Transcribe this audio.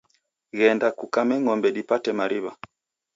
Ghenda kukame ng'ombe dipate mariw'a